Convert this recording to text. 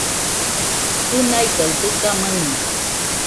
Kɨnaigaɨ dɨga maɨno.